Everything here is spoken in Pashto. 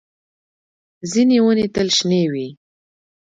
ځینې ونې تل شنې وي